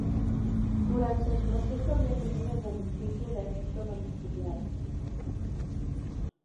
Durante el proceso había tenido el beneficio de arresto domiciliario.